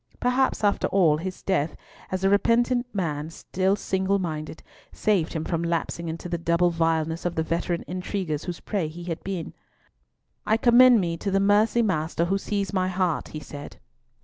Perhaps, after all, his death, as a repentant man still single minded, saved him from lapsing into the double vileness of the veteran intriguers whose prey he had been. "I commend me to the Mercy Master Who sees my heart," he said.